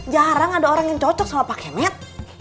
jarang ada orang yang cocok sama pak kemet